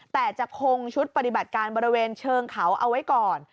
แต่จะคงชุดปฏิบัติการบริเวณเชิงเขาเอาไว้ก่อน